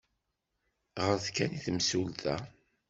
Ɣret kan i temsulta.